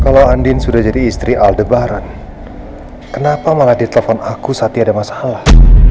kalau andin sudah jadi istri aldebaran kenapa malah ditelepon aku saatnya ada masalah